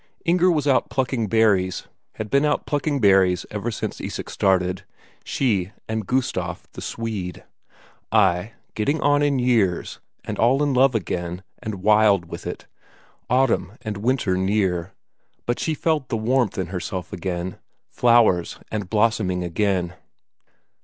Inger was out plucking berries; had been out plucking berries ever since Isak started she and Gustaf the Swede. Ay, getting on in years, and all in love again and wild with it; autumn and winter near, but she felt the warmth in herself again, flowers and blossoming again.